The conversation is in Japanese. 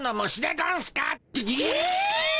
え！